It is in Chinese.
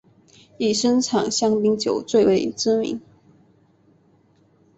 以生产香槟酒最为知名。